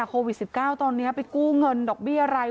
โควิด๑๙ตอนนี้ไปกู้เงินดอกเบี้ยอะไร